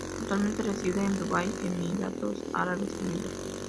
Actualmente reside en Dubái, Emiratos Árabes Unidos.